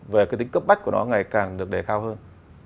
về cái tính cấp bách của nó ngày càng được đề cao hơn